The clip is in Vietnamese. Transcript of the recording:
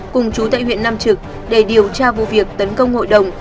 cùng chú tại huyện nam trực để điều tra vụ việc tấn công hội đồng